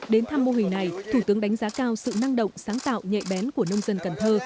đến thăm mô hình này thủ tướng đánh giá cao sự năng động sáng tạo nhạy bén của nông dân cần thơ